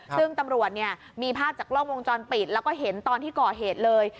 ซึ่งตำรวจเนี่ยมีภาพจากกล้องวงจรปิดแล้วก็เห็นตอนที่ก่อเหตุเลย